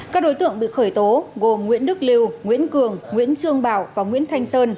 các đối tượng bị khởi tố gồm nguyễn đức lưu nguyễn cường nguyễn trương bảo và nguyễn thanh sơn